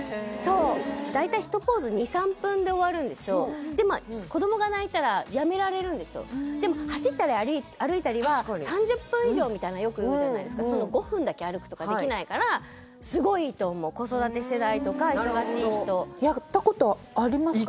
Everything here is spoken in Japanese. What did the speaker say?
へえ大体子供が泣いたらやめられるんですよでも走ったり歩いたりは３０分以上みたいなよくいうじゃないですかその５分だけ歩くとかできないからすごいいいと思う子育て世代とか忙しい人なるほどやったことありますか？